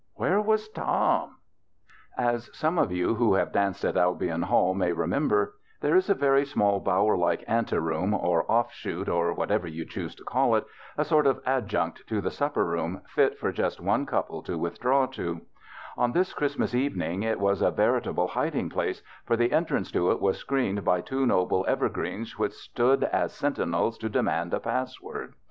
QUITE CONTRARY TO THE SPIRIT OF THE OCCASION, HE WAS DOWN ON HIS KNEES THE BACHELOR'S CHRISTMAS 51 As some of you who have danced at Albion Hall may remember, there is a very small bower like ante room, or off shoot, or what ever you choose to call it, a sort of adjunct to the supper room, fit for just one couple to withdraw to. On this Christmas evening it was a veritable hiding place, for the entrance to it Avas screened by two noble evergreens which stood as sentinels to demand a pass word.